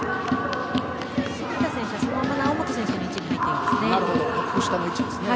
杉田選手はそのまま猶本選手の位置に入っていますね。